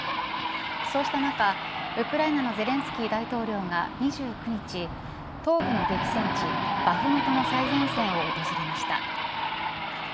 そうした中、ウクライナのゼレンスキー大統領が２９日東部の激戦地バフムトの最前線を訪れました。